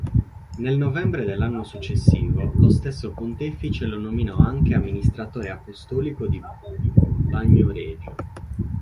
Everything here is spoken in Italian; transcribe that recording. Nel novembre dell'anno successivo lo stesso pontefice lo nominò anche amministratore apostolico di Bagnoregio.